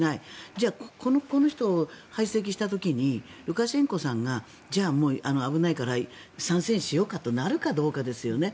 じゃあこの人を排斥した時にルカシェンコさんがじゃあ、危ないから参戦しようかとなるかどうかですよね。